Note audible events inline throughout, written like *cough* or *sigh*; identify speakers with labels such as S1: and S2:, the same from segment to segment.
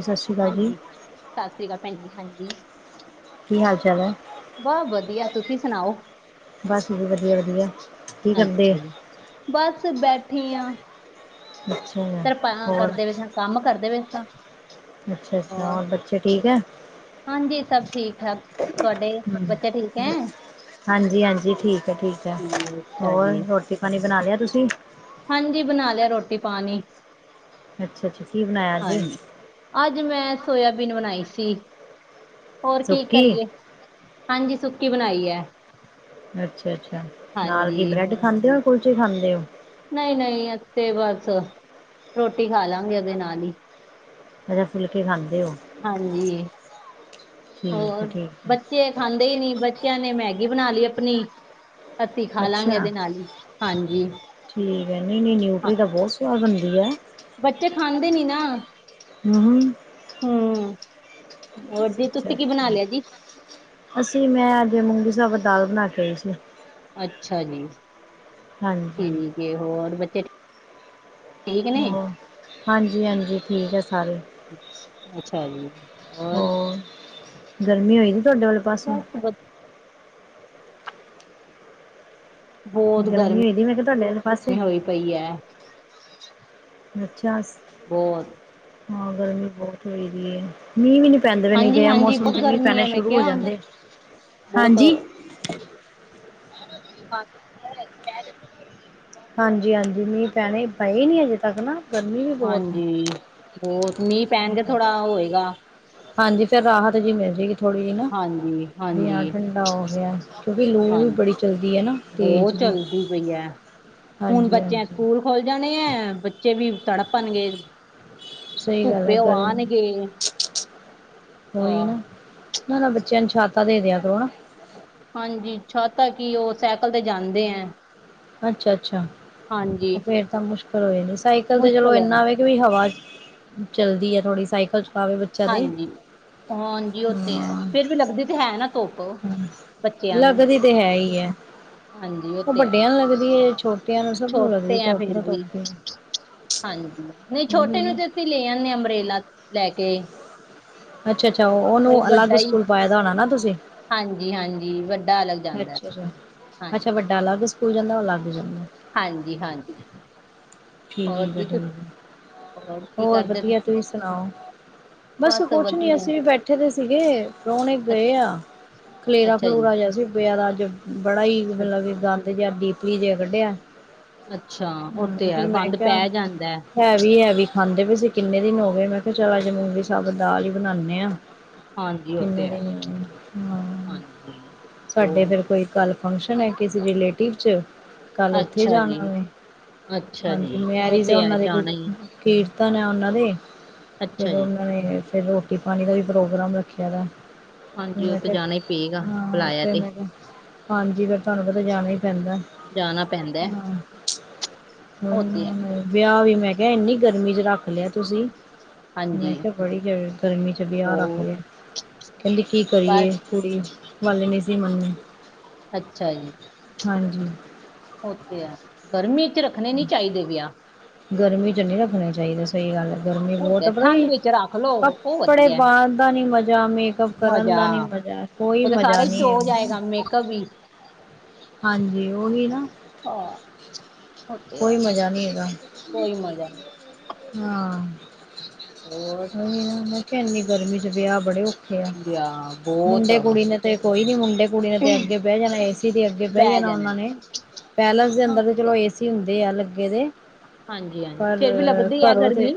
S1: ਸਤਿ ਸ਼੍ਰੀ ਅਕਾਲ ਜੀ
S2: ਸਤਿ ਸ੍ਰੀ ਅਕਾਲ ਭੈਣ ਜ ਹਾਂਜੀ
S1: ਕੀ ਹਾਲ ਚਾਲ ਹੈ
S2: ਬਹੁਤ ਵਧੀਆ ਤੁਸੀਂ ਸੁਣਾਓ
S1: ਬਸ ਜੀ ਵਧੀਆ ਵਧੀਆ ਕੀ ਕਰਦੇ
S2: ਅੱਛਾ ਜੀ ਬਸ ਬੈਠੇ ਹਾਂ
S1: ਅੱਛਾ
S2: ਕਿਰਪਾ
S1: ਹੋਰ
S2: ਕਰਦੇ ਵੇਸ ਕੰਮ ਕਰਦੇ ਵੇਸਾਂ
S1: ਅੱਛਾ ਅੱਛਾ ਹੋਰ ਬੱਚੇ ਠੀਕ ਹੈ
S2: ਹਾਂਜੀ ਸਭ ਠੀਕ ਠਾਕ ਤੁਹਾਡੇ
S1: ਹਮ,
S2: ਬੱਚਾ ਠੀਕ ਹੈ
S1: ਹਾਂਜੀ ਹਾਂਜੀ ਠੀਕ ਹੈ ਠੀਕ ਹੈ
S2: ਜੀ, ਅੱਛਾ
S1: ਹੋਰ
S2: ਜੀ
S1: ਰੋਟੀ ਪਾਣੀ ਬਣਾ ਲਿਆ ਤੁਸੀਂ
S2: ਹਾਂਜੀ ਬਣਾ ਲਿਆ ਰੋਟੀ ਪਾਣੀ
S1: ਅੱਛਾ ਅੱਛਾ ਕੀ ਬਣਾਇਆ ਅੱਜ
S2: ਹਾਂਜੀ ਅੱਜ ਮੈਂ ਸੋਇਆਬੀਨ ਬਣਾਈ ਸੀ ਹੋਰ ਕੀ
S1: ਸੁੱਕੀ
S2: ਕਰੀਏ ਹਾਂਜੀ ਸੁੱਕੀ ਬਣਾਈ ਹੈ
S1: ਅੱਛਾ ਅੱਛਾ ਨਾਲ ਕੀ
S2: ਹਾਂਜੀ
S1: ਬ੍ਰੈਡ ਖਾਂਦੇ ਹੋ ਕੁਲਚੇ ਖਾਂਦੇ ਹੋ
S2: ਨਹੀਂ ਨਹੀਂ ਤੇ ਬਸ ਰੋਟੀ ਖਾ ਲਵਗੇ ਉਹਦੇ ਨਾਲ ਹੀ
S1: ਅੱਛਾ ਫੁੱਲਕੇ ਖਾਂਦੇ ਹੋ
S2: ਹਾਂਜੀ
S1: ਠੀਕ ਹੈ
S2: ਹੋਰ
S1: ਠੀਕ ਹੈ
S2: ਬੱਚੇ ਖਾਂਦੇ ਹੀ ਨੀ ਬੱਚਿਆਂ ਨੇ ਮੈ ਗੀ ਬਣਾ ਲਈ ਆਪਣੀ ਅੱਸੀ ਖਾ ਲਾਂਗੇ
S1: ਅੱਛਾ
S2: ਇਹਦੇ ਨਾਲ ਹੀ ਹਾਂਜੀ
S1: ਠੀਕ ਹੈ ਨਹੀਂ ਨਹੀਂ
S2: ਹਾਂ
S1: ਨਿਊਟਰੀ ਤਾਂ ਬਹੁਤ ਸਵਾਦ ਬਣਦੀ ਹੈ
S2: ਬੱਚੇ ਖਾਂਦੇ ਨੀ ਨਾ
S1: ਹਮ
S2: ਹਮ ਹੋਰ ਦੀ
S1: ਅੱਛਾ
S2: ਤੁਸੀਂ ਕੀ
S1: ਅੱਛਾ
S2: ਬਣਾ ਲਿਆ ਜੀ
S1: ਅਸੀਂ ਮੈਂ ਅਜੇ ਮੂੰਗੀ ਸਾਬ ਦਾਲ ਬਣਾ ਕੇ ਆਈ ਸੀ
S2: ਅੱਛਾ ਜੀ
S1: ਹਾਂਜੀ
S2: ਠੀਕ ਹੈ ਹੋਰ ਬੱਚੇ ਠੀਕ ਨੇ
S1: ਹਾਂ ਹਾਂਜੀ ਹਾਂਜੀ ਠੀਕ ਹੈ ਸਾਰੇ
S2: ਹਾਂਜੀ
S1: ਹੋਰ ਗਰਮੀ ਹੋਈ ਸੀ ਤੁਹਾਡੇ ਵਾਲੇ ਪਾਸੇ
S2: ਬਸ ਵ
S1: ਗਰਮੀ ਹੋ ਦੀ ਮੈਂ ਕਿਹਾ ਤੁਹਾਡੇ ਆਲੇ ਪਾਸੇ
S2: ਹੋਈ ਪਈ ਹੈ
S1: ਅੱਛਾ
S2: ਬਹੁਤ
S1: ਹਾਂ ਗਰਮੀ ਬਹੁਤ ਹੋ ਰ ਹੈ ਮੀਂਹ ਵੀ ਨ ਪੈਂਦੇ ਵੀ ਨੀ
S2: ਹਾਂਜੀ
S1: ਦੇ ਆ
S2: ਹਾਂਜੀ
S1: ਮੌਸਮ
S2: ਬਹੁਤ
S1: ਚ ਮੀਂਹ
S2: ਗਰਮੀ
S1: ਪੈਣੇ
S2: ਹੈ ਮੈਂ
S1: ਸ਼ੁਰੂ ਹੋ
S2: ਕਿਹਾ
S1: ਜਾਂਦੇ ਆ
S2: ਬਹੁਤ
S1: ਹਾਂਜੀ ਬਾ ਹਾਂਜੀ ਹਾਂਜੀ ਮੀਂਹ ਪੈਣੇ ਪਏ ਨੀ ਅਜੇ ਤੱਕ ਨਾ ਗਰਮੀ ਵੀ ਬਹੁਤ ਆ
S2: ਹੋ ਮੀਂਹ ਪੈਣਗੇ ਥੋੜਾ ਹੋਏਗਾ
S1: ਹਾਂਜੀ ਫੇਿਰ ਰਾਹਤ ਜਿਹੀ ਮਿਲ ਜਾਏਗੀ ਥੋੜ੍ਹੀ ਜਿਹੀ ਨਾ
S2: ਹਾਂਜੀ
S1: ਵੀ ਹ
S2: ਹਾਂਜੀ
S1: ਠੰਡਾ ਹੋ ਗਿਆ ਕਿਉਂਕਿ ਲੂ ਵੀ ਬੜੀ ਚੱਲਦੀ ਹੈ ਨਾ ਤੇਜ਼ ਜੀ
S2: ਚੱਲਦੀ ਪਈ ਹੈ ਹੁਣ
S1: ਹਾਂਜੀ
S2: ਬੱਚਿਆਂ
S1: ਹਾਂਜੀ
S2: ਸਕੂਲ ਖੋੱਲ ਜਾਣੇ ਹੈ ਬੱਚੇ ਵੀ ਤੁੜ ਭਾਨਗੇ
S1: ਸਹੀ ਗੱਲ ਹੈ
S2: ਧੁੱਪੇ
S1: ਗਰਮੀ
S2: ਆਉਣਗੇ
S1: ਉਹੀ
S2: ਆਹ
S1: ਨਾ ਨਾ ਬੱਚਿਆਂ ਨੂੰ ਛਾਤਾ ਦੇ ਦਿਆ ਕਰੋ ਨਾ
S2: ਤਾ ਕਿ ਉਹ ਸਾਈਕਲ ਤੇ ਜਾਂਦੇ ਹੈ
S1: ਅੱਛਾ ਅੱਛਾ
S2: ਹਾਂਜੀ
S1: ਫੇਿਰ ਤਾਂ ਮੁਸ਼ਕਿਲ ਹੋਏ ਨ ਸਾਈਕਲ ਤੇ ਚਲੋ
S2: ਮੁਸ਼ਕਿਲ ਹੈ
S1: ਇਨਾ ਹੋ ਕਿ ਹਵਾ ਚੱਲਦੀ ਹੈ ਥੋੜ੍ਹੀ ਸਾਈਕਲ ਚਲਾਵੇ ਬੱਚਾ ਤੇ
S2: ਹਾਂਜੀ ਹਾਂਜੀ ਉਹ ਤੇ ਹੈ ਫੇਰ ਵੀ ਲੱਗਦੀ ਤੇ ਹੈ ਨਾ ਧੋਪ
S1: ਹ ਲੱਗਦੀ ਤੇ ਹੈ ਹੀ ਹੈ
S2: ਹਾਂਜੀ
S1: ਉਹ
S2: ਤੇ ਹੈ
S1: ਵੱਡਿਆਂ ਨੂੰ ਲੱਗਦੀ ਹੈ ਛੋਟੀ
S2: ਛੋਟੇ ਹੈ ਫਿਰ ਵੀ ਹਾਂਜੀ ਨਹੀਂ
S1: ਉਹੀ
S2: ਛੋਟੇ ਨੂੰ
S1: ਨਾ।
S2: ਤੇ ਅਸੀਂ ਲੈ ਆਦੇ ਅੰਬਰੇਲਾ ਲੈ ਕੇ
S1: ਅੱਛਾ ਅੱਛਾ
S2: ਬਈ
S1: ਉਹਨੂੰ ਅਲੱਗ
S2: ਵੱਡਾ ਹੀ
S1: ਸਕੂਲ ਪਾਏ ਦਾ ਹੋਣਾ ਨਾ ਤੁਸੀਂ
S2: ਹਾਂਜੀ ਹਾਂਜੀ ਵੱਡਾ ਅਲੱਗ ਜਾਂਦਾ
S1: ਅੱਛਾ ਅੱਛਾ ਅੱਛਾ
S2: ਹਾਂਜੀ
S1: ਵੱਡਾ ਅਲੱਗ ਸਕੂਲ ਜਾਂਦਾ ਅਲੱਗ ਜਾਂਦਾ
S2: ਹਾਂਜੀ ਹਾਂਜੀ
S1: ਠੀਕ
S2: ਹੋਰ
S1: ਆ
S2: ਜੀ
S1: ਠੀਕ
S2: ਤੁਸੀਂ
S1: ਆ ਹੋਰ ਵਧੀਆ ਤੁਸੀਂ ਸੁਣਾਓ ਬਸ ਕੁਛ ਨੀ ਅਸੀਂ ਵੀ ਬੈਠੇ ਦੇ ਸੀਗੇ ਪ੍ਰਾਹੁਣੇ
S2: ਅ
S1: ਗਏ ਆ ਖਲੇਰਾ
S2: ਅੱਛਾ ਜੀ
S1: ਖਲੂਰਾ ਜਿਹਾ ਸੀ ਅੱਜ ਬੜਾ ਹੀ
S2: ਅੱ-
S1: ਮਤਲਬ ਗੰਦ ਜ ਡੀਪੀ ਜੇ ਕੱਢਿਆ
S2: ਅੱਛਾ ਉਹ ਤੇ
S1: ਹੂੰ
S2: ਹੈ
S1: ਫਿਰ ਮੈਂ
S2: ਗੰਦ ਪੈ
S1: ਕਿਹਾ
S2: ਜਾਂਦਾ
S1: ਹੈ ਵੀ ਹੈ ਵੀ ਖਾਂਦੇ ਪ ਅ ਕਿੰਨੇ ਦਿਨ ਹੋ ਗਏ ਮੈਂ ਕਿਹਾ ਚਲ ਅੱਜ ਮੂੰਗੀ ਸਾਗ ਦਾਲ ਹੀ ਬਣਾਉਦੇ ਆਾਂ
S2: ਹਾਂਜੀ ਉਹ
S1: ਕਿੰਨੇ
S2: ਤੇ ਹੈ
S1: ਦਿ ਹ
S2: ਹਾਂਜੀ
S1: ਸਾਡੇ
S2: ਹੋਰ
S1: ਫਿਰ ਕੋਈ ਗੱਲ ਫੰਕਸ਼ਨ ਹੈ ਕਿਸੇ ਰਿਲੇਟਿਵ ਚ ਕੱਲ ਉੱਥੇ
S2: ਅੱਛਾ ਜੀ
S1: ਜਾਣਾ ਵੈਂ
S2: ਅੱਛਾ
S1: ਹਾਂਜੀ
S2: ਜੀ ਉਹ
S1: ਮੈਰਿਜ ਆ
S2: ਤੇ ਹੈ
S1: ਉਹਨਾਂ ਦੇ
S2: ਜਾਣਾ ਹੀ
S1: ਕੀਰਤਨ ਹੈ ਉਹਨਾਂ ਦੇ ਫਿਰ
S2: ਅੱਛਾ ਜੀ
S1: ਉਹਨਾਂ ਨੇ ਫਿਰ ਰੋਟੀ ਪਾਣੀ ਦਾ ਵੀ ਪ੍ਰੋਗਰਾਮ ਰੱਖਿਆ ਵਾ
S2: ਹਾਂਜੀ ਉਹ
S1: ਮੈਂ
S2: ਤੇ
S1: ਕਿਹਾ
S2: ਜਾਣਾ ਹੀ ਪਏਗਾ
S1: ਹਾਂ
S2: ਬੁਲਾਇਆ
S1: ਤੇ ਮੈਂ ਕਿਹਾ ਹਾਂਜੀ ਫ ਤੁਹਾਨੂੰ ਪਤਾ ਜਾਣਾ ਹੀਈ ਪੈਂਦਾ
S2: ਜਾਣਾ ਪੈਂਦਾ ਹੈ।
S1: ਹਮ
S2: ਉਹ ਤੇ ਹੈ
S1: ਹਮ ਵਿਆਹ ਵੀ ਮੈਂ ਕਿਹਾ ਇੰਨੀ ਗਰਮੀ ਚ ਰੱਖ ਲਿਆ ਤੁਸੀਂ
S2: ਹਾਂਜੀ
S1: ਮੈਂ ਕਿਹਾ ਬੜੀ ਜ ਗਰਮੀ ਚ ਵਿਹ ਰੱਖ ਗਿਆ
S2: ਬਹੁਤ
S1: ਕਹਿੰਦੀ ਕੀ
S2: ਬਸ
S1: ਕਰੀਏ ਕੁੜੀ ਵਾਲੱਲੇ ਨਹੀਂ ਸੀ ਮੰਨੇ
S2: ਅੱਛਾ ਜੀ
S1: ਹਾਂਜੀ
S2: ਉ ਤੇ ਹੈ ਗਰਮੀ ਚ ਰੱਖਣੇ ਨੀ ਚਾਹੀਦੇ ਵਿਆਹ
S1: ਗਰਮੀ ਚ ਨਹੀਂੀ ਰੱਖਣੇ ਚਾਹੀਦੇ ਸਹੀ ਗੱਲ ਗਰਮੀ
S2: ਉਹ ਤੇ
S1: ਬਹੁਤ
S2: ਹੈ,
S1: ਆ ਪਤਾ
S2: ਠੰਡ
S1: ਕੀ
S2: ਵਿੱਚ ਰੱਖ ਲੋ ਉਹ
S1: ਕੱਪੜੇ
S2: ਵਧੀਆ ਹੈ।
S1: ਪਾਉਣ ਦਾ ਨੀ ਮਜ਼ਾ ਮੇਕਅਪ ਕਰਨ
S2: ਮਜ਼ਾ
S1: ਦਾ ਨੀ ਮਜ ਕੋਈ
S2: ਉਹ ਤੇ ਸਾਰਾ
S1: ਮਜ਼ਾ
S2: ਹੀ
S1: ਨਹੀਂ
S2: ਚੋ
S1: ਹੈ
S2: ਜਾਏਗਾ ਮੇਕਅਪ ਵੀ
S1: ਹਾਂਜੀ ਔਹੀ ਨਾ
S2: ਹਾਂ ਉਹ ਤੇ ਹੈ
S1: ਕੋਈ ਮਜ਼ਾ ਨਹੀਂ ਹੈਗਾ
S2: ਕੋਈ ਮਜ਼ਾ
S1: ਹਾਂ
S2: ਹੋਰ
S1: ਨਹੀਂ ਨਾ ਮੈਂ ਕਿਹਾ ਇਨੀ ਗਰਮੀ ਚ ਵਿਆਹ ਬੜੇ ਔਖ
S2: ਆ
S1: ਮੁੰਡੇ ਕੁੜੀ ਨੇ ਤੇ ਕੋਈ ਨੀ ਮੁੰਡੇ ਕੁੜੀ ਨੇ ਤੇ ਅੱਗੇ ਬਹਿ ਜਾਣਾ ਏਸੀ ਤੇ ਅੱਗੇ ਬਹਿ ਜਾਣਾ ਉਹਨਾਂ ਨੇ ਪੈਲਸ ਦੇ
S2: ਹਾਂ
S1: ਅੰਦਰ
S2: ਉਹ
S1: ਤੇ ਚਲੋ
S2: ਹੈ
S1: ਏਸੀ ਹੁੰਦੇ ਆ ਲੱਗੇ ਦੇ
S2: ਹਾਂਜੀ ਹਾਂਜੀ
S1: ਪਰ
S2: ਫੇਰ ਵੀ ਲੱਗਦੀ ਹੈ
S1: ਘਰੋਂ ਤੇ
S2: ਗਰਮੀ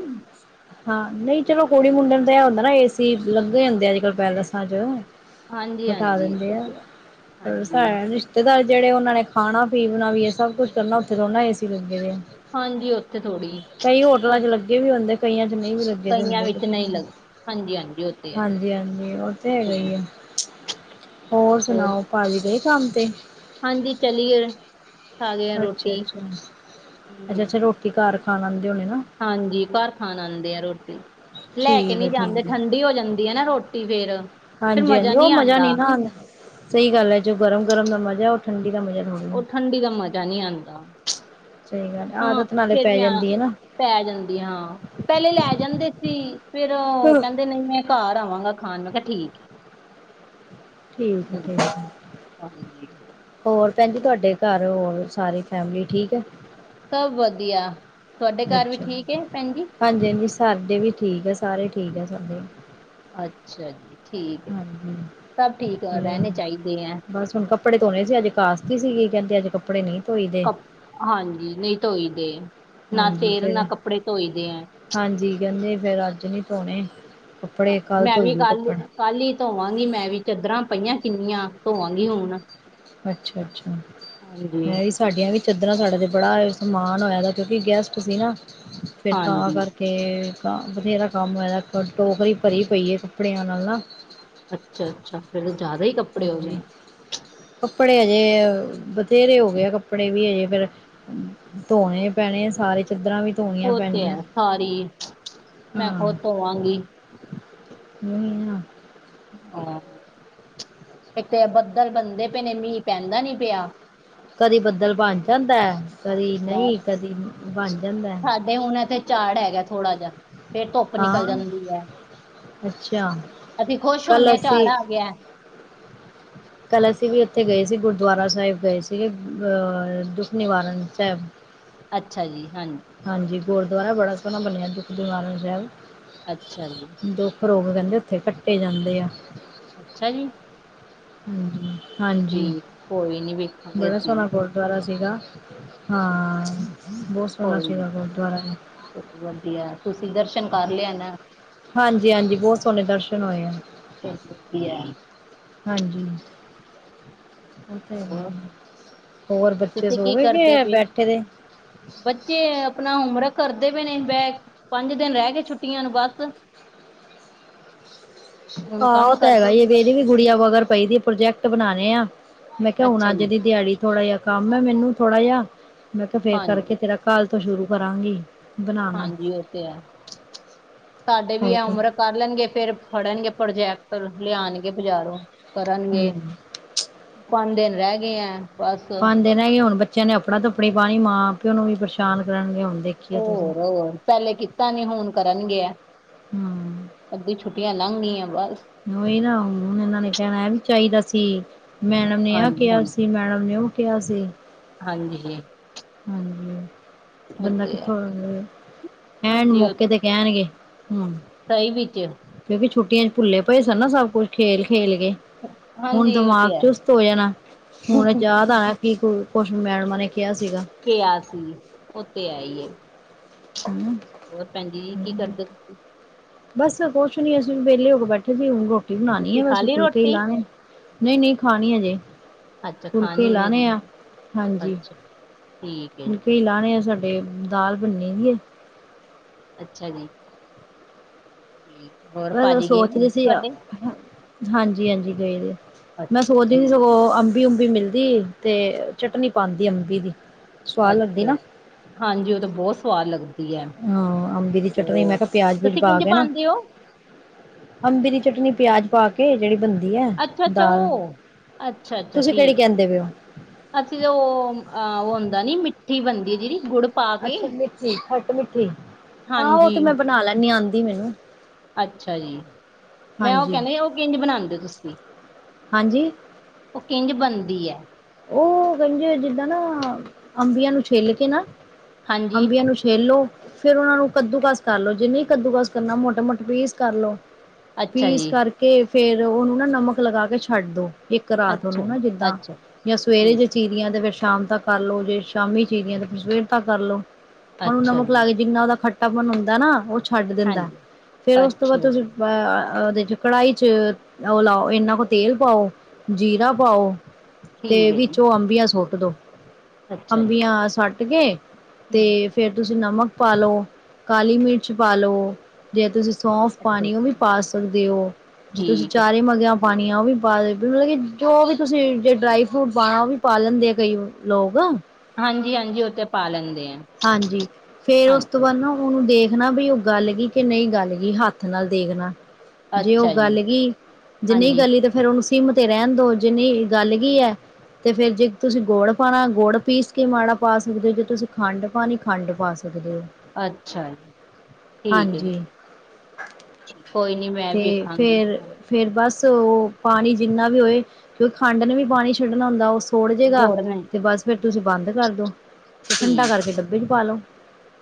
S1: ਹਾਂ ਨਹੀਂ ਚਲੋ ਕੁੜੀ ਮੁੰਡੇ ਨੂੰ ਤਾ ਇਹ ਹੁੰਦਾ ਨਾ ਏਸੀ ਲੱਗੇ ਹੁੰਦੇ ਆ ਅੱਜ ਕੱਲ ਪੈਲੇਸਾਂ ਚ
S2: ਹਾਂਜੀ
S1: ਬਿਠਾ
S2: ਹਾਂਜੀ
S1: ਦਿੰਦੇ
S2: ਉਹ
S1: ਆ
S2: ਤੇ ਹੈ
S1: ਪਰ ਸ
S2: ਹਾਂਜੀ
S1: ਰਿਸ਼ਤੇਦਾਰੀ ਜਿਹੜੇ ਉਹਨਾ ਨੇ ਖਾਣਾ ਪੀਣਾ ਵੀਏ ਸਭ ਕੁੱਛ ਕਰਨਾ ਉੱਥੇ ਥੋੜੀ ਨਾ ਏਸੀ ਲੱਗੇ ਹੋਏ ਆ
S2: ਹਾਂਜੀ ਉੱਥੇ ਥੋੜ੍ਹੀ
S1: ਕਈ ਹੋਟਲਾਂ
S2: ਉਹ
S1: ਚ ਲੱਗੇ ਵੀ ਹੁੰਦੇ ਕਈਆਂ ਚ ਨਹੀਂ ਵੀ ਲੱਗੇ ਦੇ
S2: ਕਈਆਂ
S1: ਹੁੰਦੇ
S2: ਵਿੱਚ ਨਹੀਂ ਲੱਗ ਹਾਂਜੀ ਹਾਂਜੀ ਉਹ ਤੇ ਹੈ
S1: ਹਾਂਜੀ ਹਾਂਜੀ ਉਹ ਤੇ ਹੈਗਾ ਹੀ ਐ
S2: ਹੂੰ
S1: ਹੋਰ ਸੁਣਾਓ ਭਾਜੀ ਗਏ ਕੰਮ ਤੇ
S2: ਹਾਂਜੀ ਚਲੀਏ ਖਾ ਲਈਏ
S1: ਅੱਛਾ
S2: ਰੋਟੀ
S1: ਅੱਛਾ ਅੱਛਾ ਅੱਛਾ
S2: ਹੂੰ
S1: ਰੋਟੀ ਘਰ ਖਾਣਾ
S2: ਹਾਂਜੀ ਘਰ ਖਾਣ ਆਉਂਦੇ ਆ ਰੋਟੀ ਲੈ ਕੇ
S1: ਠੀਕ ਹੈ
S2: ਨੀ ਜਾਂਦੇ
S1: ਠੀਕ ਹੈ
S2: ਠੰਡੀ ਹੋ ਜਾਂਦੀ ਹੈ ਨਾ ਰੋਟੀ ਫੇਰ
S1: ਹਾਂਜੀ
S2: ਮਜ਼ਾ
S1: ਹਾਂਜੀ ਉਹ
S2: ਨਹੀਂ
S1: ਮਜ਼ਾ
S2: ਆਉਂਦਾ
S1: ਨਾ ਸਹੀ ਗੱਲ ਹੈ ਜੋ ਗਰਮ ਗਰਮ ਦਾ ਮਜ਼ਾ ਐ ਉਹ ਠੰਡ
S2: ਉਹ ਠੰਡੀ ਦਾ ਮਜ਼ਾ ਨਹੀਂ ਆਉਂਦਾ
S1: ਸਹੀ ਗੱਲ
S2: ਹਾਂ
S1: ਆਦਤ ਨਾਲੇ
S2: ਫੇਰ
S1: ਪੈ
S2: ਵਿਆਹ
S1: ਜਾਂਦੀ ਹੈ ਨਾ
S2: ਪੈ ਜਾਂਦੀ ਹਾਂ ਪਹਿਲੇ ਲੈ ਜਾਂਦੇ ਫੇਰ
S1: ਠੀਕ
S2: ਕਹਿੰਦੇ ਨਹੀਂ ਮੈਂ ਘਰ ਆਵਾਂਗਾ ਖਾਣ ਮੈਂ ਕਿਹਾ ਠੀਕ ਹੈ
S1: ਠੀਕ ਹੈ
S2: ਹੂੰ,
S1: ਠੀਕ ਹੈ
S2: ਹਾਂਜੀ
S1: ਹੋਰ ਭੈਣ ਜੀ ਤੁਹਾਡੇ ਘਰ ਹੋਰ ਸਾਰੀ ਫੈਮਲੀ ਠੀਕ ਹੈ
S2: ਸਭ ਵਧੀਆ ਤੁਹਾਡੇ ਘਰ ਵੀ
S1: ਅੱਛਾ
S2: ਠੀਕ ਹੈ ਭੈਣ ਜੀ
S1: ਹਾਂਜੀ ਹਾਂਜੀ ਸਾਡੇ ਵੀ ਠੀਕ ਹੈ ਸਾਰੇ ਠੀਕ ਆ ਸਾਡੇ।
S2: ਅੱਛਾ ਜੀ। ਠੀਕ ਹੈ
S1: ਹਾਂਜੀ।
S2: ਸਭ ਠੀਕ ਰਹਿਣੇ ਚਾਹੀਦੇ ਹੈ
S1: ਬਸ ਹੁਣ ਕੱਪੜੇ ਧੋਣੇ ਸੀ ਅੱਜ ਕਾਸਤੀ ਸੀਗੀ ਕਹਿੰਦੇ ਅੱਜ ਕੱਪੜੇ ਨਹੀਂ। ਧੋਈ ਦੇ
S2: ਕ ਹਾਂਜੀ ਨਹੀਂ ਧੋਈ ਦੇ। ਨਾ
S1: ਹਾਂਜੀ
S2: ਸਿਰ ਨਾ
S1: ਫਿਰ
S2: ਕੱਪੜੇ ਧੋਈ ਦੇ ਆ।
S1: ਹਾਂਜੀ ਕਹਿੰਦੇ ਫੇਰ ਅੱਜ ਨੀ ਧੋਣੇ। ਕੱਪੜੇ
S2: ਹਾਂਜੀ
S1: ਕੱਲ
S2: ਮੈਂ ਵੀ
S1: ਧੋਈਓ
S2: ਕੱਲ
S1: ਕੱਪੜੇ
S2: ਕੱਲ ਹੀ ਧੋਵਾਂਗੀ ਮੈਂ ਵੀ ਚਦਰਾਂ। ਪਈਆਂ ਕਿੰਨੀਆਂ ਧੋਵਾਂਗੀ ਹੁਣ।
S1: ਅੱਛਾ ਅੱਛਾ
S2: ਹਾਂਜੀ
S1: ਮੈਂ ਵੀ ਸਾਡੀਆਂ ਵੀ ਚਦਰਾ ਸਾਡਾ ਤੇ ਬੜਾ। ਮਾਨ ਹੋਇਆ ਦਾ ਕਿਉਂਕਿ ਗੈਸਟ ਸੀ ਨਾ ਫੇਰ ਤਾਂ
S2: ਹਾਂਜੀ
S1: ਕਰਕੇ। ਬਥੇਰਾ ਕੰਮ ਹੋਇਆ ਦਾ ਟੋਕਰੀ ਭਰੀ ਪਈ ਹੈ ਕੱਪੜਿਆਂ ਨਾਲ ਨਾ
S2: ਅੱਛਾ ਅੱਛਾ ਫੇਰ ਤਾਂ ਜ਼ਿਆਦਾ ਹੀ ਕੱਪੜੇ ਹੋ ਗਏ।
S1: ਹਾਂਜੀ ਕੱਪੜੇ ਹਜੇ ਬਥੇਰੇ ਹੋ ਗਏ ਆ ਕੱਪੜੇ ਵੀ ਹਜੇ ਫੇਰ ਧੋਣੇ ਪੈਣੇ ਸਾਰੇ। ਤੇ ਚਦਰਾ ਵੀ। ਧੋਣੀਆਂ
S2: ਔਹ ਤੇ
S1: ਪੈਣੀਆਂ
S2: ਹੈ ਸਾਰੀ ਮੈਂ
S1: ਹਾਂ
S2: ਖੁਦ ਧੋਵਾਂਗੀ।
S1: ਨ ਆ *unintelligible*
S2: ਹਾਂ *unintelligible* ਇੱਕ ਤੇ ਬੱਦਲ ਬੰਨਦੇ ਪਏ ਨੇ ਮੀਂਹ ਪੈਂਦਾ ਨੀ ਪਿਆ।
S1: ਕਦੀ ਬੱਦਲ ਬਣ ਜਾਂਦਾ ਹੈ। ਕਦੀ ਨਹੀਂ ਕਦੀ ਬਣ ਜਾਂਦਾ ਐ।
S2: ਸਾਡੇ ਹੁਣ ਇੱਥੇ ਝਾੜ ਹੈਗਾ ਥੋੜਾ ਜੇਹਾ ਫੇਰ ਧੁੱਪ ਨਿਕਲ ਜਾਂਦੀ ਹੈ।
S1: ਅੱਛਾ,
S2: ਅਸੀਂ ਖ਼ੁਸ਼ ਹੁੰਦੇ
S1: ਕੱਲ
S2: ਹਾਂ ਝੜ ਆ ਗਿਆ ਐ।
S1: ਕੱਲ੍ਹ ਅਸੀਂ ਵੀ ਉੱਥੇ ਗਏ ਸੀ ਗੁਰੂਦੁਆਰਾ ਸਾਹਿਬ ਗਏ ਸੀਗੇ ਅਹ ਦੁੱਖ ਨਿਵਾਰਨ ਸਾਹਿਬ।
S2: ਅੱਛਾ ਜੀ ਹਾਂਜੀ
S1: ਹਾਂਜੀ ਗੁਰੂਦੁਆਰਾ ਬੜਾ ਸੋਹਣਾ ਬਣਿਆ ਦੁਖ ਨਿਵਾਰਣ ਸਾਹਿਬ।
S2: ਅੱਛਾ ਜੀ।
S1: ਉਹ ਕਹਿੰਦੇ ਉੱਥੇ ਕੱਟੇ ਜਾਂਦੇ ਆ।
S2: ਅੱਛਾ ਜੀ।
S1: ਹਾਂ ਹਾਂਜੀ
S2: ਠੀਕ ਕੋਈ ਨੀ ਵੇਖਾਂਗੇ
S1: ਬੜਾ
S2: ਅਸੀਂ
S1: ਸੋਹਨਾ
S2: ਵੀ
S1: ਗੁਰੂਦੁਆਰਾ ਸੀਗਾ।
S2: ਹਾਂਜੀ
S1: ਹਾਂ ਬਹੁਤ ਸੋਹਣਾ
S2: ਕੋਈ ਨੀ
S1: ਸੀਗਾ ਗੁਰੂਦੁਆਰਾ ।
S2: ਵਧੀਆ ਤੁਸੀਂ ਦਰਸ਼ਨ ਕਰ ਲਿਆ ਨਾ।
S1: ਹਾਂਜੀ ਹਾਂਜੀ ਬਹੁਤ ਸੋਹਣੇ ਦਰਸ਼ਨ ਹੋਏ ਆ।
S2: ਚਲੋ ਵਧੀਆ
S1: ਹਾਂਜੀ ਉਹ ਤਾਂ
S2: ਹੋਰ
S1: ਹੋਰ ਬੱਚੇ
S2: ਤੁਸੀਂ
S1: ਸੋ
S2: ਕੀ
S1: ਗਏ
S2: ਕਰਦੇ
S1: ਕੇ
S2: ਪਏ ਹੋ
S1: ਬੈਠੇ ਦੇ।
S2: ਬੱਚੇ ਆਪਣਾ ਹੋਮਵਰਕ ਕਰਦੇ ਪਏ ਨੇ ਬੈਠ ਪੰਜ ਦਿਨ ਰਹਿ ਗਏ ਛੁੱਟੀਆਂ ਨੂੰ ਬਸ। ਹੁਣ
S1: ਆਹੋ ਉਹ
S2: ਕੰਮ
S1: ਤਾਂ ਹੈਗਾ
S2: ਕਰਦੇ ਪਏ
S1: ਵੇਦੀ ਵੀ ਗੁੜੀਆਂ ਵਗਰ ਪਈ ਦੀ ਪ੍ਰੋਜੈਕਟ ਬਣਾਉਣੇ ਆ। ਮੈਂ ਕਿਹਾ ਹੁਣ
S2: ਅੱਛਾ
S1: ਅੱਜ
S2: ਜੀ
S1: ਦੀ ਦਿਹਾੜੀ ਥੋੜਾ ਜਿਹਾ ਕੰਮ ਹੈ ਮੈਨੂੰ ਥੋੜਾ ਜਿਹਾ ਮੈਂ ਕਿਹਾ ਫੇਰ
S2: ਹਾਂਜੀ
S1: ਕਰਕੇ ਤੇਰਾ ਕਾਲ ਤੋਂ ਸ਼ੁਰੂ ਕਰਾਂਗੀ। ਬਣਾਣਾ
S2: ਹਾਂਜੀ ਉਹ ਤੇ ਹੈ। ਸਾਡੇ ਵੀ
S1: ਹਏ
S2: ਇਹ
S1: ਤਾਂ
S2: ਉਮਰ ਕਰ ਲਣਗੇ ਫਿਰ ਫੜਨਗੇ ਪ੍ਰੋਜੈਕਟ ਲਿਆਉਣਗੇ ਬਜ਼ਾਰੋ। ਕਰਨਗੇ
S1: ਹੂੰ
S2: ਪੰਜ ਦਿਨ ਰਹਿ ਗਏ ਹੈ। ਬਸ
S1: ਪੰਜ ਦਿਨ ਰੇਹ ਗਏ ਹੁਣ ਬੱਚਿਆਂ ਨੇ ਆਫੜਾ ਦਫੜੀ ਪਾਣੀ ਮਾਂ ਪਿਓ ਨੂੰ ਵੀ ਪਰੇਸ਼ਾਨ ਕਰਨਗੇ ਹੁਣ। ਦੇਖੀਏ ਤੁਸੀਂ
S2: ਹੋਰ ਹੋਰ ਪਹਿਲੇ ਕਿ ਕੀਤਾ ਨੀ ਹੁਣ ਕਰਨ ਗਿਆ।
S1: ਹੂੰ
S2: ਅੱਧੀ ਛੁੱਟੀਆਂ ਲੰਘ ਗਿਆ।
S1: ਉਹੀ ਨਾ ਹੁਣ ਇਹਨਾਂ ਨੇ ਕਹਿਣਾ ਹੈ ਵੀ ਚਾਹੀਦਾ ਸੀ। ਮੈਡਮ ਨੇ ਆ
S2: ਹਾਂਜੀ
S1: ਕਿਹਾ ਸੀ ਮੈਡਮ ਨੇ ਉਹ ਕਿਹਾ ਸੀ।
S2: ਹਾਂਜੀ।
S1: ਹਾਂਜੀ।
S2: ਉਹ
S1: ਬੰਦਾ
S2: ਤੇ ਹੈ
S1: ਕਿੱਥੋਂ ਐਨ
S2: ਹਾਂਜੀ
S1: ਮੌਕੇ
S2: ਉਹ
S1: ਤੇ ਕਹਿਣਗੇ। ਹੁਣ
S2: ਸਹੀ ਵਿੱਚ
S1: ਕਿਉਂਕਿ ਛੁੱਟੀਆਂ ਚ ਭੁੱਲੇ ਪਏ ਸਨ ਨਾ ਸਭ ਕੁੱਝ ਖੇਲ ਖੇਲ ਕੇ ਹੁਣ
S2: ਹਾਂਜੀ ਉਹ
S1: ਦਿਮਾਗ
S2: ਤੇ ਹੈ
S1: ਚੁਸਤ ਹੋ ਜਾਣਾ ਹੁਣ ਯਾਦ ਆਣਾ ਕਿ ਕੁਛ ਮੈਡਮਾਂ ਨੇ ਕਿਹਾ ਸੀਗਾ।
S2: ਕਿਹਾ ਸੀ ਉਥੇ ਆਈਏ।
S1: ਹਨਾ
S2: ਹੋਰ ਭੈਣਜੀ ਜੀ ਕੀ ਕਰਦੇ ਹੋ ਤੁਸੀਂ।
S1: ਬਸ ਕੁਛ ਨੀ ਅਸੀਂ ਵੀ ਵਿਹਲੇ ਹੋ ਕੇ ਬੈਠੇ ਸੀ ਊਗੋ ਰੋਟੀ ਬਣਾਉਣੀ ਹੈ
S2: ਖਾ
S1: ਬੈਸ
S2: ਲਈ
S1: ਫੁਲਕੇ ਹੀ
S2: ਰੋਟੀ
S1: ਲਾਣੇ ਨਹੀਂ ਨਹੀਂ ਖਾਣੀ ਹਜੇ।
S2: ਅੱਛਾ
S1: ਫੁਲਕੇ ਈ
S2: ਖਾਣੀ ਹੈ
S1: ਲਾਣੇ
S2: ਜੀ
S1: ਆ ਹਾਂਜੀ
S2: ਅੱਛਾ ਠੀਕ ਹੈ
S1: ਫੁਲਕੇ ਹੀ
S2: ਜੀ
S1: ਲਾਣੇ ਆ ਸਾਡੇ। ਦਾਲ ਬਣ ਦੀ ਆ
S2: ਅੱਛਾ ਜੀ ।
S1: ਮੈਂ ਸੋਚਦੀ ਸੀ ਆ ਹਾਂਜੀ ਹਾਂਜੀ ਗਏ ਮੈਂ
S2: ਅੱਛਾ
S1: ਸੋਚਦੀ ਸੀ
S2: ਠੀਕ
S1: ਸਗੋਂ। ਅੰਬੀ ਅੰਬੀ ਮਿਲਦੀ ਏ ਤੇ ਚਟਨੀ ਪਾਉਂਦੀ ਅੰਬੀ ਦੀ। ਸਵਾਦ ਲੱਗਦੀ
S2: ਅੱਛਾ
S1: ਨਾ
S2: ਹਾਂਜੀ ਉਹ ਤਾਂ ਬਹੁਤ ਸਵਾਦ ਲੱਗਦਾ।
S1: ਹਾਂ ਅੰਬੀ ਦੀ ਚਟਨੀ ਮੈਂ ਕਿਹਾ ਪਿਆਜ਼ ਪਊਜ਼
S2: ਤੁਸੀਂ
S1: ਪਾ
S2: ਕਿੰਝ
S1: ਕੇ ਨਾ।
S2: ਪਾਉਂਦੇ ਹੋ
S1: ਅੰਬੀ ਦੀ ਚਟਨੀ ਪਿਆਜ ਪਾ ਕੇ ਜਿਹੜੀ ਬੰ
S2: ਅੱਛਾ ਅੱਛਾ
S1: ਦਾਲ
S2: ਉਹ
S1: ਤੁਸੀਂ ਕਿਹੜੀ ਕਹਿੰਦੇ ਪਏ ਹੋ।
S2: ਅੱਸੀਂ ਤੇ ਉਹ ਅਹ ਉਹ ਹੁੰਦਾ ਨੀ ਮਿੱਠੀ ਬਣਦੀ ਹੈ ਜੇਹੜੀ।
S1: ਅੱਛਾ ਮਿੱਠੀ ਖੱਟ ਮਿੱਠੀ ਆਹ ਉਹ
S2: ਹਾਂਜੀ
S1: ਤੇ ਮੈਂ ਬਣਾ ਲੈਨੀ ਆਉਂਦੀ ਮੈਨੂੰ।
S2: ਅੱਛਾ ਜੀ ਮੈਂ ਉਹ
S1: ਹਾਂਜੀ
S2: ਕਹਿੰਦੇ ਉਹ ਕਿੰਝ ਬਣਾਉਂਦੇ ਤੁਸੀਂ।
S1: ਹਾਂਜੀ।
S2: ਉਹ ਕਿੰਝ ਬਣਦੀ ਹੈ।
S1: ਓ ਕੇਂਦੇ ਜਿੱਦਾਂ ਨਾ ਅੰਬੀਆਂ ਨੂੰ ਛਿੱਲ ਕੇ ਨਾ।
S2: ਹਾਂਜੀ
S1: ਅੰਬੀਆਂ ਨੂੰ ਛਿੱਲ ਲੌ। ਫੇਰ ਉਨਾ ਨੂੰ ਕੱਦੂਕਾਸ ਕਰ ਲੋ ਜੈ ਨਈ ਕੱਦੂਕਾਸ ਕਰਨਾ ਮੋਟੇ ਮੋਟੇ ਪੀਸ ਕਰ ਲੋ।
S2: ਅੱਛਾ
S1: ਪੀਸ
S2: ਜੀ
S1: ਕਰਕੇ ਫੇਰ ਉਹਨੂੰ ਨਾ ਨਮਕ ਲਗਾ ਕੇ ਛੱਡ ਦੋ। ਇੱਕ ਰਾਤ
S2: ਅੱਛਾ
S1: ਉਹਨੂੰ ਨਾ
S2: ਜੀ
S1: ਜਿੱਦਾਂ।
S2: ਅੱਛਾ
S1: ਜਾਂ ਸਵੇਰੇ
S2: ਠੀਕ
S1: ਜੇ ਚੀਰੀਆਂ ਤੇ ਫੇਰ ਸ਼ਾਮ ਤੱਕ ਕਰ ਲੋ ਜੇ ਸ਼ਾਮੀ ਚੀਰੀਆਂ ਤੇ ਫਿਰ ਸਵੇਰ ਤੱਕ ਕਰ ਲੋ। ਓਨੂੰ
S2: ਅੱਛਾ
S1: ਨਮਕ
S2: ਜੀ
S1: ਲਾ ਕੇ ਜਿੰਨਾ ਓਦਾ ਖੱਟਾਪਨ ਹੁੰਦਾ ਹੈ ਨਾ ਓਹ ਚ ਛੱਡ ਦਿੰਦਾ
S2: ਹਾਂਜੀ
S1: ਫੇਰ ਉਸ ਤੋਂ ਬਾਅਦ
S2: ਅੱਛਾ
S1: ਤੁਸੀਂ
S2: ਜੀ
S1: ਅ ਓਦੇ ਚ ਕੜਾਹੀ ਚ ਓਲਾਓ ਇਨਾ ਕੁ ਤੇਲ ਪਾਓ ਜੀਰਾ ਪਾਓ। ਤੇ
S2: ਠੀਕ ਹੈ ਜੀ
S1: ਵਿੱਚੋ ਅੰਬੀਆਂ ਸੁੱਟ ਦੋ
S2: ਅੱਛਾ ਜੀ।
S1: ਅੰਬੀਆਂ ਸੱਟ ਕੇ। ਤੇ
S2: ਹਮ।
S1: ਫੇਰ ਤੁਸੀਂ ਨਮਕ ਪਾ ਲਓ ਕਾਲੀ ਮਿਰਚ ਪਾਲੋ ਜੇ ਤੁਸੀਂ। ਸੌਂਫ
S2: ਅੱਛਾ
S1: ਪਾਣੀ ਓਹ
S2: ਅੱਛਾ
S1: ਵੀ ਪਾ ਸਕਦੇ ਓ ਜੇ ਤੁਸੀਂ
S2: ਠੀਕ ਹੈ
S1: ਚਾਰੇ ਮੰਗਿਆਂ ਪਾਣੀ ਣੀ ਮਤਲਬ ਜੋ ਵੀ ਤੁਸੀਂ ਜੇ ਡਰਾਈ ਫਰੂਟ ਪਾਣਾ ਓ ਵੀ ਪਾ ਲੈਂਦੇ ਆ ਕਈ ਲੋਕ।
S2: ਹਾਂਜੀ ਹਾਂਜੀ ਓ ਤੇ ਪਾ ਲੈਂਦੇ ਆ।
S1: ਹਾਂਜੀ ਫੇਰ ਉਸ ਤੋਂ
S2: ਹਾਂਜੀ।
S1: ਬਾਅਦ ਨਾ ਓਨੂੰ ਦੇਖ ਣਾ ਬੀ ਓ ਗੱਲ ਗੀ ਕਿ ਨਹੀਂ ਗੱਲ ਗੀ ਹੱਥ ਨਾਲ ਦੇਖਣਾ। ਜੇ ਓ
S2: ਅੱਛਾ ਜੀ
S1: ਗੱਲ ਗੀ ਜੇ ਨਈ
S2: ਹਾਂਜੀ
S1: ਗੱਲੀ ਤਾਂ ਫੇਰ ਓਨੂੰ। ਸੀਮ ਤੇ ਰੈਣ ਦੋ ਜਿੰਨੀ ਗੱਲ ਗੀ ਐ। ਤੇ ਫੇਰ ਜੇ ਤੁਸੀਂ ਗੁੜ ਪਾਣਾ ਗੁੜ ਪੀਸ ਕੇ ਮਾੜਾ ਪਾ ਸਕਦੇ ਓ ਜੇ ਤੁਸੀਂ ਖੰਡ ਪਾਣੀ ਖੰਡ ਪਾ ਸਕ ਦੇ ਓ
S2: ਅੱਛਾ ਜੀ ਠੀਕ ਹੈ।
S1: ਹਾਂਜੀ।
S2: ਕੋਈ ਨੀ ਮੈਂ
S1: ਤੇ
S2: ਵੇਖਾਂਗੀ
S1: ਫੇਰ ਫੇਰ ਬਸ ਪਾਣੀ ਜਿੰਨਾ ਵੀ ਹੋਏ ਕਿਉਂਕਿ ਖੰਡ ਨੂੰ ਵੀ ਪਾਣੀ ਛੱਡਣਾ ਹੁੰਦਾ ਓਸ। ਛੋੜ ਜੇਗਾ
S2: ਗੁੜ ਨੇ
S1: ਤੇ ਬਸ ਫੇਰ ਤੁਸੀਂ ਬੰਦ ਕਰਦੋ। ਠੰਡਾ
S2: ਠੀਕ
S1: ਕਰਕੇ ਡੱਬੇ ਚ ਪਾ ਲੋ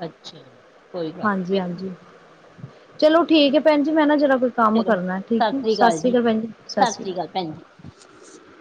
S2: ਅੱਛਾ ਜੀ। ਕੋਈ ਗੱਲ
S1: ਹਾਂਜੀ ਹਾਂਜੀ।
S2: ਵੇਖਾਂਗੇ
S1: ਚਲੋ ਠੀਕ ਏ ਭੈਣ ਜੀ ਮੈਂ ਨਾ ਜਰਾ। ਕੋਈ ਕੰਮ
S2: ਚਲੋ
S1: ਕਰਨਾ
S2: ਸਤਿ
S1: ਠੀਕ ਐ
S2: ਸ੍ਰੀ
S1: ਸਤਿ ਸ਼੍ਰੀ ਅਕਾਲ ਭੈਣ ਜੀ ਸਤਿ ਸ੍ਰੀ
S2: ਅਕਾਲ ਭੈਣ ਜੀ।
S1: ਅਕਾਲ।